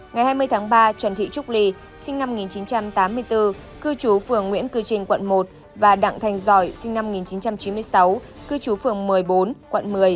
ngày hai mươi tháng ba trần thị trúc ly sinh năm một nghìn chín trăm tám mươi bốn cư trú phường nguyễn cư trình quận một và đặng thành giỏi sinh năm một nghìn chín trăm chín mươi sáu cư trú phường một mươi bốn quận một mươi